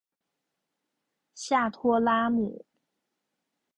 下托拉姆。